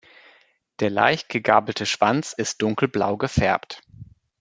Der leicht gegabelte Schwanz ist dunkelblau gefärbt.